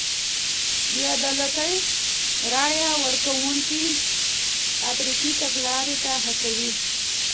بې عدالتۍ رای ورکوونکي افراطي تګلارو ته هڅوي.